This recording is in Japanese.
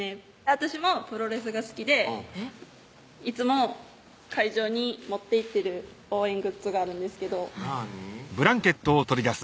私もプロレスが好きでいつも会場に持って行ってる応援グッズがあるんですけどなぁに？